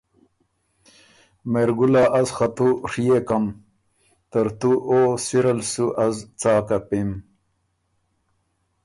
”مهرګلا از خه تُو ڒیېکم، ترتُو او سِرل سُو از څا کپِم؟“